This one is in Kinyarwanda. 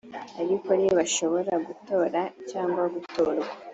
ariko ntibashobora gutora cyangwa gutorwa